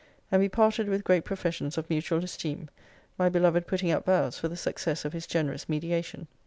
And we parted with great professions of mutual esteem; my beloved putting up vows for the success of his generous mediation.